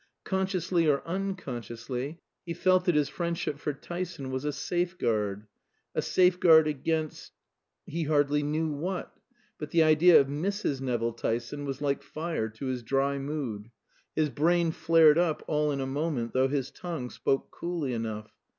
Consciously or unconsciously he felt that his friendship for Tyson was a safeguard. A safeguard against he hardly knew what. But the idea of Mrs. Nevill Tyson was like fire to his dry mood. His brain flared up all in a moment, though his tongue spoke coolly enough.